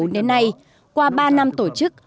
đến nay qua ba năm tổ chức